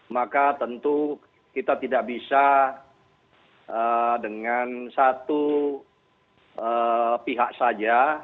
maka tentu kita tidak bisa dengan satu pihak saja